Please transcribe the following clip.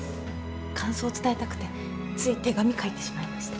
感想伝えたくてつい手紙書いてしまいました。